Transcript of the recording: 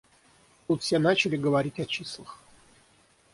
Тут все начали говорить о числах.